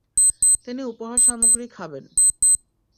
তিনি উপহার সামগ্রী খাবেন।